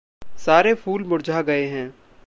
सारे फूल मुरझा गए हैं।